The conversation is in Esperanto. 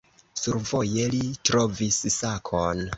Survoje li trovis sakon.